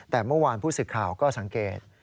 แต่เมื่อวานผู้สื่อข่าวก็สังเกต